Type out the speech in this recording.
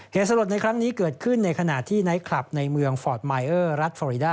เหตุสลดในครั้งนี้เกิดขึ้นในขณะที่ไนท์คลับในเมืองฟอร์ดมายเออร์รัฐฟอริดา